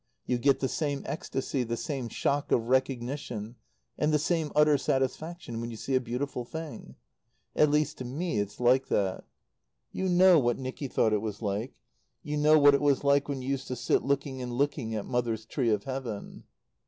You get the same ecstasy, the same shock of recognition, and the same utter satisfaction when you see a beautiful thing. At least to me it's like that. You know what Nicky thought it was like. You know what it was like when you used to sit looking and looking at Mother's "tree of Heaven."